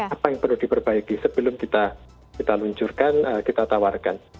apa yang perlu diperbaiki sebelum kita luncurkan kita tawarkan